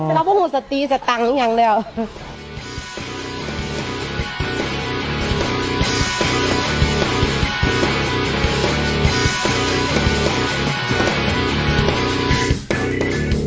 แล้วพวกมันสะตีสะตังอย่างเร็ว